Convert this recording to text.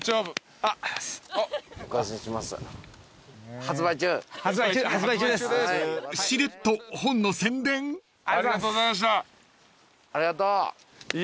ありがとうございます。